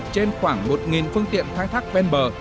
hai trăm năm mươi chín trên khoảng một phương tiện khai thác bên bờ